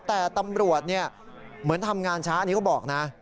แต่ตำรวจเหมือนทำงานช้านี้ก็บอก